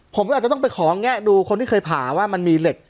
ผมก็อาจจะต้องไปขอแงะดูคนที่เคยผ่าว่ามันมีเหล็ก